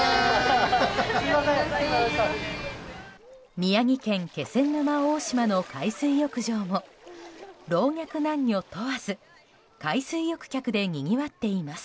宮城県気仙沼大島の海水浴場も老若男女問わず海水浴客でにぎわっています。